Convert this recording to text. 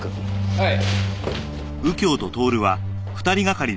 はい。